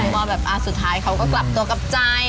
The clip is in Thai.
คุณเปงว่าสุดท้ายเขาก็กลับตัวกับจัย